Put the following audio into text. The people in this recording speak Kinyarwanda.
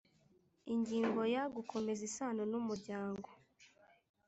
Ingingo ya Gukomeza isano n umuryango